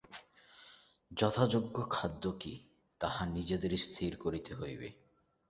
যথাযোগ্য খাদ্য কি, তাহা নিজেদেরই স্থির করিতে হইবে।